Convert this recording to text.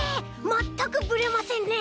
まったくブレませんね！